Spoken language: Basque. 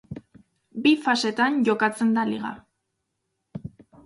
Bi fasetan jokatzen da liga.